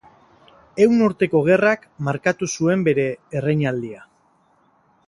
Ehun Urteko Gerrak markatu zuen bere erreinaldia.